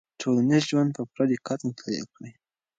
ټولنیز ژوند په پوره دقت مطالعه کړئ.